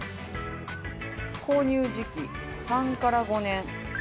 購入時期、３から５年。